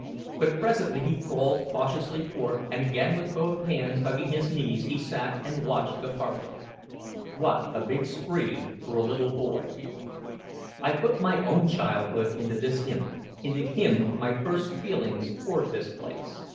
But presently he crawled cautiously forth, and again with both hands hugging his knees he sat and watched the harbor. What a big spree for a little boy. I put my own childhood into this imp, into him my first feelings toward this place.